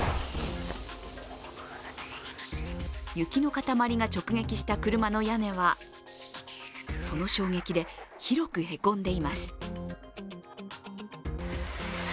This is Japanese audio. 雪の塊が直撃した車の屋根は、その衝撃で広くへこんでいます。